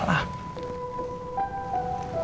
gue bakal buktiin semuanya